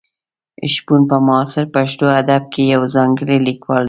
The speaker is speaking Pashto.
شپون په معاصر پښتو ادب کې یو ځانګړی لیکوال دی.